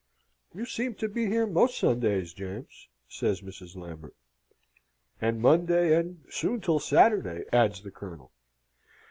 "You seem to be here most Sundays, James," says Mrs. Lambert. "And Monday, and soon till Saturday," adds the Colonel.